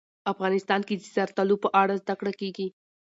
افغانستان کې د زردالو په اړه زده کړه کېږي.